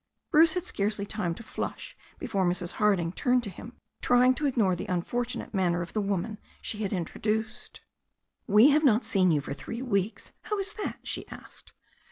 Bruce had scarcely time to flush before Mrs. Harding turned to him, trying to ignore the unfortunate manner of the woman she had introduced. "We have not seen you for three weeks. How is that?" she asked.